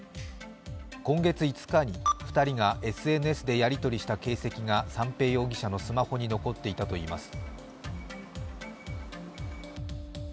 今月５日に２人がＳＮＳでやり取りした形跡が三瓶容疑者のスマホに残っていたといいます。